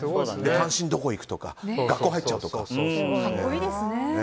単身で行くとか学校入っちゃうとか。